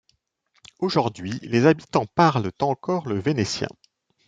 Aujourd'hui, les habitants parlent encore le vénitien.